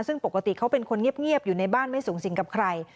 ซึ่งปกติเขาเป็นคนเงียบอยู่ในบ้านไม่สูงสิงกับใคร